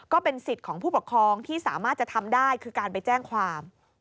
ก็เป็นสิทธิ์ของผู้ปกครองที่สามารถจะทำได้คือการไปแจ้งความ